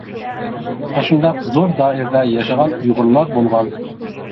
ئاشۇنداق زور دائىرىدە ياشىغان ئۇيغۇرلار بولغان!